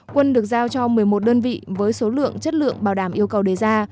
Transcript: quân được giao cho một mươi một đơn vị với số lượng chất lượng bảo đảm yêu cầu đề ra